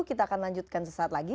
kita akan lanjutkan sesaat lagi